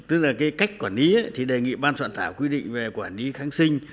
tức là cái cách quản lý thì đề nghị ban soạn thảo quy định về quản lý kháng sinh